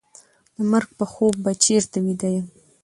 د مرګ په خوب به چېرته ویده یم